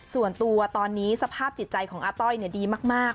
ส่วนตัวตอนนี้สภาพจิตใจของอาต้อยดีมาก